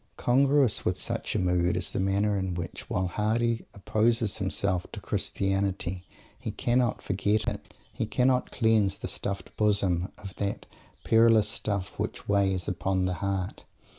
Congruous with such a mood is the manner in which, while Mr. Hardy opposes himself to Christianity, he cannot forget it. He cannot "cleanse the stuff'd bosom of that perilous stuff which weighs upon the heart."